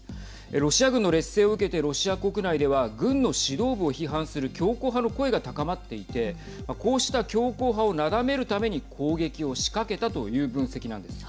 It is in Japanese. ロシア軍の劣勢を受けてロシア国内では軍の指導部を批判する強硬派の声が高まっていてこうした強硬派をなだめるために攻撃を仕掛けたという分析なんです。